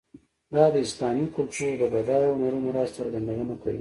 دا د اسلامي کلتور د بډایه هنري میراث څرګندونه کوي.